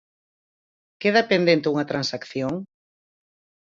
¿Queda pendente unha transacción?